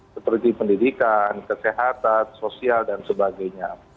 seperti pendidikan kesehatan sosial dan sebagainya